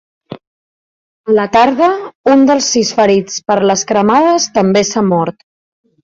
A la tarda, un dels sis ferits per les cremades també s’ha mort.